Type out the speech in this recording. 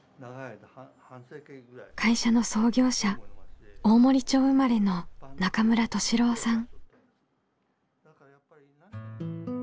会社の創業者大森町生まれの中村俊郎さん。